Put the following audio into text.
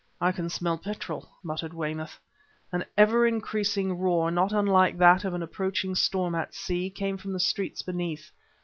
"I can smell petrol!" muttered Weymouth. An ever increasing roar, not unlike that of an approaching storm at sea, came from the streets beneath.